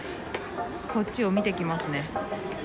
こっちを見てきますね。